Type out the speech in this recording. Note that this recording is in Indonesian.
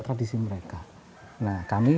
tradisi mereka nah kami